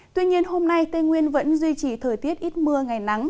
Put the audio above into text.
tuy nhiên hôm nay tây nguyên vẫn duy trì thời tiết ít mưa ngày nắng